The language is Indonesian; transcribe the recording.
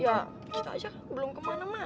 ya kita ajak belum kemana mana